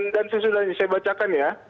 dan sesudahnya saya bacakan ya